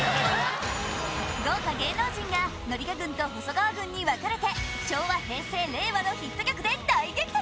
豪華芸能人が紀香軍と細川軍に分かれて昭和平成令和のヒット曲で大激突！